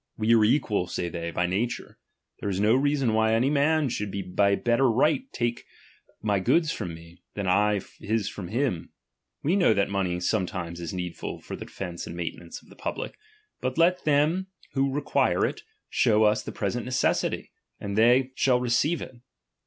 We are equal, say they, by nature ; there is no reason why any man should by better right take my goods from me, than I his from him. We know that money sometimes is needful for the defence and maintenance of the public ; but let tbem who re quire it, show us the present necessity, and they 158 DOMINION. u. shall receive it.